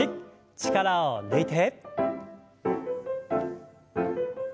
力を抜いて。